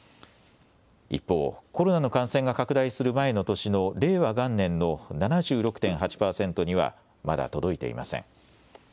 一方、コロナの感染が拡大する前の年の令和元年の７６．８％にはまだ届いていません。